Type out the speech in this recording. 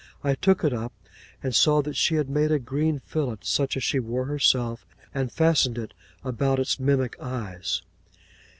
I took it up, and saw that she had made a green fillet such as she wore herself, and fastened it about its mimic eyes.